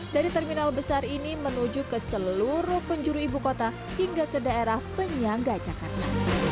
dari terminal besar ini menuju ke seluruh penjuru ibu kota hingga ke daerah penyangga jakarta